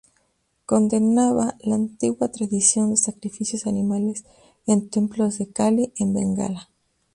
Condenaba la antigua tradición de sacrificios animales en templos de Kali en Bengala.